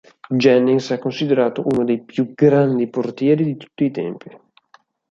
Jennings è considerato uno dei più grandi portieri di tutti i tempi.